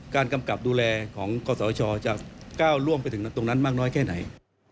กำกับดูแลของกศชจะก้าวล่วงไปถึงตรงนั้นมากน้อยแค่ไหน